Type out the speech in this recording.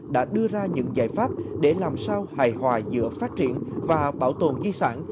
đã đưa ra những giải pháp để làm sao hài hòa giữa phát triển và bảo tồn di sản